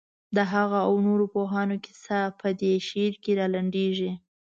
د هغه او نورو پوهانو کیسه په دې شعر کې رالنډېږي.